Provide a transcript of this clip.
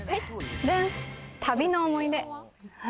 旅の思い出。